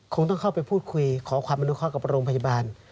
คงต้องเข้าไปพูดคุยขอความอนุเคาะกับโรงพยาบาล